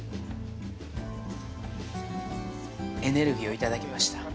エネルギーをいただきました。